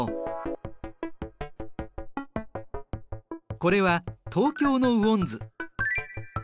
これは東京の雨温図。